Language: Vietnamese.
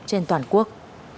trên toàn quốc